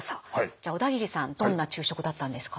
じゃあ小田切さんどんな昼食だったんですか？